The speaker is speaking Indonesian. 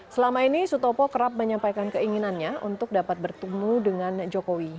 selama ini sutopo kerap menyampaikan keinginannya untuk dapat bertemu dengan jokowi